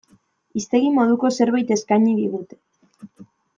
Hiztegi moduko zerbait eskaini digute.